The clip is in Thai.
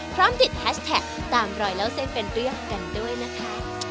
พร้อมติดตามรอยแล้วเส้นเป็นเรื่องกันด้วยนะคะ